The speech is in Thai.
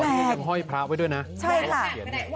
แปลกใช่ค่ะ